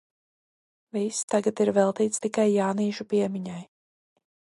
Viss tagad ir veltīts tikai Jānīša piemiņai.